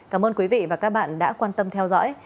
cảm ơn quý vị và các bạn đã quan tâm theo dõi